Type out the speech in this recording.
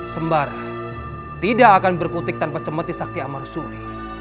sembara tidak akan berkutik tanpa cembeti sakti amar suli